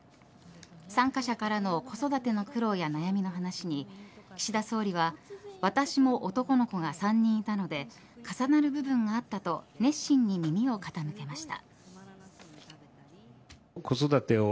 参加者からの子育ての苦労や悩みの話に岸田総理は私も男の子が３人いたので重なる部分があったと熱心に耳を傾けました。